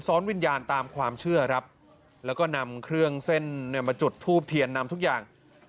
วิญญาณตามความเชื่อครับแล้วก็นำเครื่องเส้นเนี่ยมาจุดทูบเทียนนำทุกอย่าง